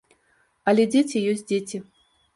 Але дзеці ёсць дзеці.